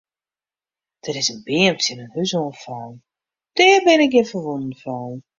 Der is in beam tsjin in hús oan fallen, der binne gjin ferwûnen fallen.